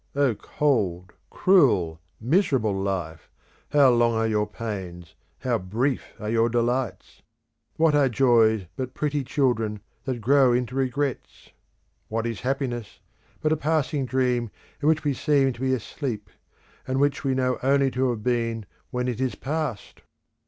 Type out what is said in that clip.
O cold, cruel, miserable life, how long are your pains, how brief are your delights! What are joys but pretty children that grow into regrets? What is happiness but a passing dream in which we seem to be asleep, and which we know only to have been when it is past?